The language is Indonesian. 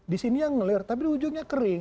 di sini yang ngelir tapi di ujungnya kering